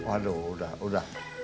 aduh udah udah